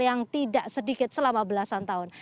yang tidak sedikit selama belasan tahun